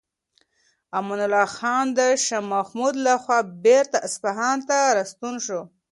امان الله خان د شاه محمود لخوا بیرته اصفهان ته راستون شو.